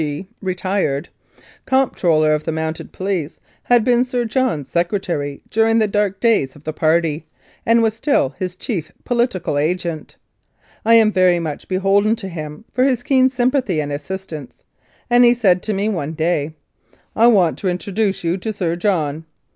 G., retired, Comptroller of the Mounted Police, had been Sir John's secretary dur ing the dark days of the party, and was still his chief political agent. I am very much beholden to him for his keen sympathy and assistance, and he said to me one day, "I want to introduce you to Sir John."